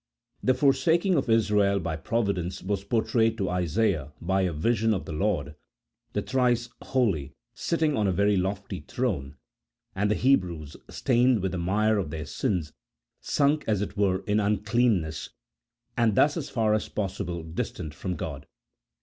The forsaking of Israel by Providence was portrayed to Isaiah by a vision of the Lord, the thrice Holy, sitting on a very lofty throne, and the Hebrews, stained with the mire of their sins, sunk as it were in uncleanness, and thus as far as possible dis tant from God.